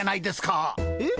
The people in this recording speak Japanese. えっ？